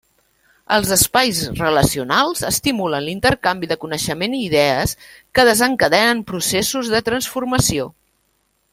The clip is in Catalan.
Els espais relacionals estimulen l'intercanvi de coneixement i idees que desencadenen processos de transformació.